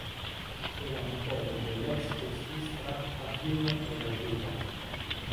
È la nipote dell'ex cestista Hakeem Olajuwon.